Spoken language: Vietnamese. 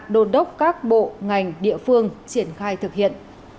đồn đốc các bộ ngành địa phương triển khai thực hiện